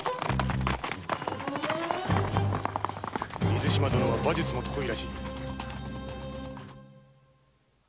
水嶋殿は馬術も得意らしいな。